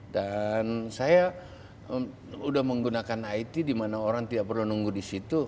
dan saya sudah menggunakan it di mana orang tidak perlu menunggu di situ